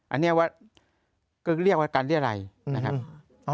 อันนี้ว่าก็เรียกว่าการเรียรัยนะครับ